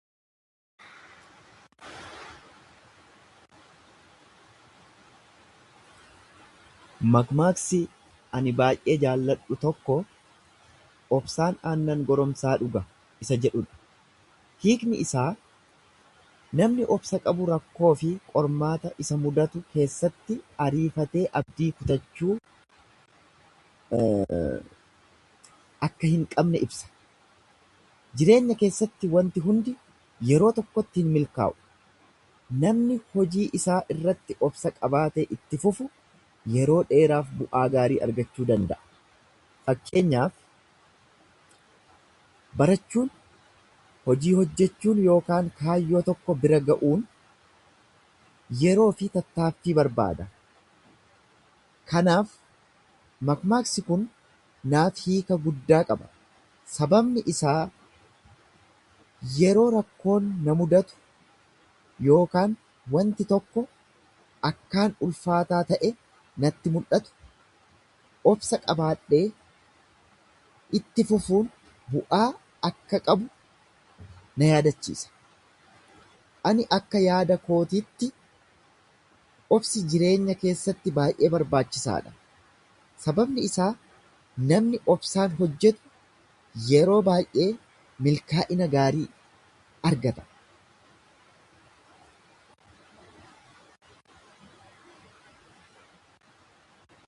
Makmaaksi ani baay’ee jaalladhu tokko, “Obsaan aannan goromsaa dhuga” isa jedhu dha. Hiikni isaa namni obsa qabu rakkoo fi qormaata isa mudatu keessatti ariifatee abdii kutachuu akka hin qabne ibsa. Jireenya keessatti wanti hundi yeroo tokkotti hin milkaa’u. Namni hojii isaa irratti obsa qabaatee itti fufu yeroo dheeraaf bu’aa gaarii argachuu danda’a. Fakkeenyaaf, barachuun, hojii hojjechuun yookaan kaayyoo tokko bira ga’uun yeroo fi tattaaffii barbaada. Kanaaf mammaaksi kun naaf hiika guddaa qaba, sababni isaa yeroo rakkoon na mudatu yookaan wanti tokko akkaan ulfaataa ta’e natti mul’atu obsa qabaadhee itti fufuun bu’aa akka qabu na yaadachiisa. Ani akka yaada kootiitti obsi jireenya keessatti baay’ee barbaachisaa dha, sababni isaa namni obsaan hojjetu yeroo baay’ee milkaa’ina gaarii argata.